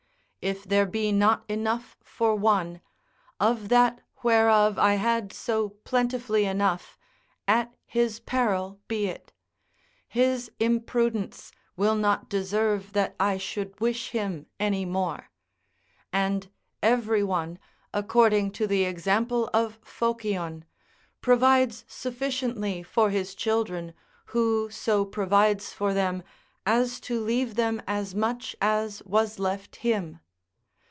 If there be not enough for one, of that whereof I had so plentifully enough, at his peril be it: his imprudence will not deserve that I should wish him any more. And every one, according to the example of Phocion, provides sufficiently for his children who so provides for them as to leave them as much as was left him.